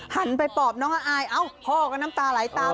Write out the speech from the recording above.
หันไปปอบน้องอายเอ้าพ่อก็น้ำตาไหลตาม